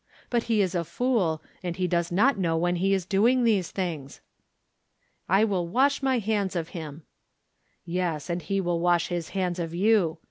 But he is a fool, and he does not know when he is doing these things." "I will wash my hands of him." "Yes; and he will wash his hands of you.